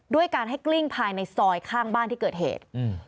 ด้วยการให้กลิ้งภายในซอยข้างบ้านที่เกิดเหตุ